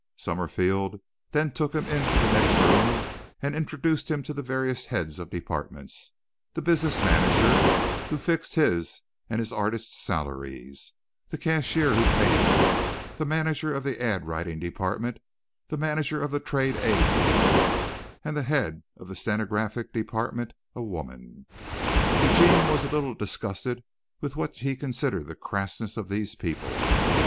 Summerfield then took him into the next room and introduced him to the various heads of departments, the business manager who fixed his and his artists' salaries, the cashier who paid him, the manager of the ad writing department, the manager of the trade aid department, and the head of the stenographic department, a woman. Eugene was a little disgusted with what he considered the crassness of these people.